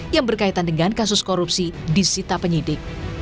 yang berkaitan dengan kasus korupsi disita penyidik